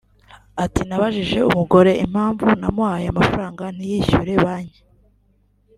Ati “Nabajije umugore impamvu namuhaye amafaranga ntiyishyure banki